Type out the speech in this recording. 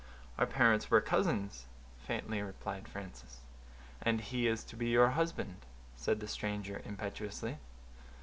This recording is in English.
"Our parents were cousins," faintly replied Frances. "And he is to be your husband?" said the stranger, impetuously.